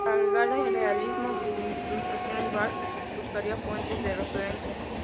Para agregarle realismo a sus ilustraciones, Barks buscaría fuentes de referencia.